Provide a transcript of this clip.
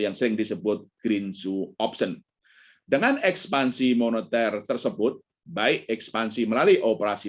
yang sering disebut green zoo option dengan ekspansi moneter tersebut baik ekspansi melalui operasi